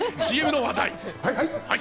ＣＭの話題！